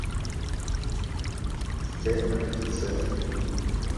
C’est ma petite sœur.